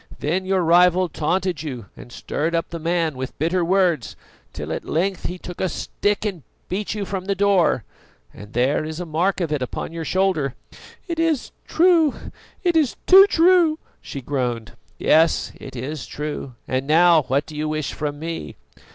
Then your rival taunted you and stirred up the man with bitter words, till at length he took a stick and beat you from the door, and there is a mark of it upon your shoulder." "It is true, it is too true!" she groaned. "Yes, it is true. And now, what do you wish from me?"